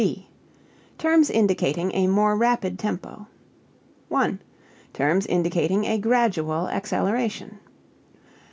(b) Terms indicating a more rapid tempo. 1. Terms indicating a gradual acceleration.